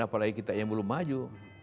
apalagi kita yang belum maju